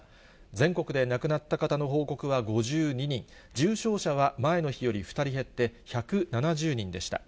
全国で亡くなった方の報告は５２人、重症者は前の日より２人減って１７０人でした。